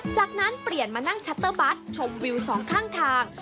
จากนั้นเปลี่ยนมานั่งชัตเตอร์บัตรชมวิวสองข้างทาง